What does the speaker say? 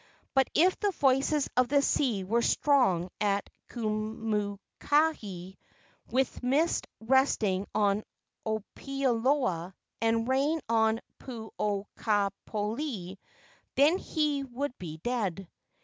But if the voices of the sea were strong at Kumukahi, with mist resting on Opaeloa and rain on Puu o ka polei, then he would be dead.